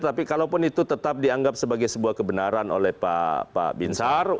tapi kalaupun itu tetap dianggap sebagai sebuah kebenaran oleh pak binsar